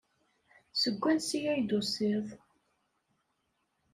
Seg wansi ay d-tusiḍ?